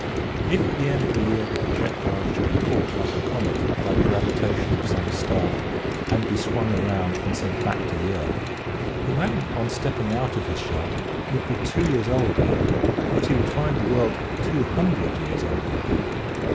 If at the end of a year the projectile should be caught like a comet by the gravitation of some star and be swung around and sent back to the earth, the man on stepping out of his shell would be two years older but he would find the world two hundred years older.